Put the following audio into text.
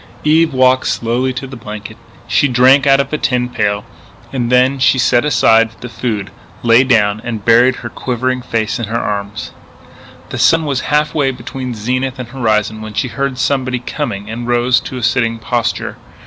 Eve walked slowly to the blanket. She drank out of the tin pail. Then she set aside the food, lay down, and buried her quivering face in her arms. The sun was half way between zenith and horizon when she heard somebody coming, and rose to a sitting posture.